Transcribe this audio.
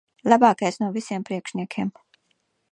Labākais no visiem priekšniekiem.